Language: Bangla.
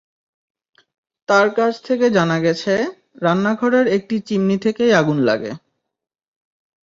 তাঁর কাছ থেকে জানা গেছে, রান্নাঘরের একটি চিমনি থেকেই আগুন লাগে।